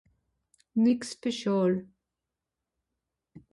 nix schpeziàl